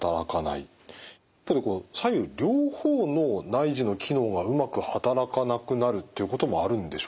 例えば左右両方の内耳の機能がうまく働かなくなるっていうこともあるんでしょうか？